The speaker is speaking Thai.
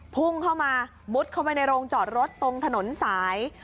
พุ่งเข้ามามุดเข้าไปในโรงจอดรถตรงถนนสาย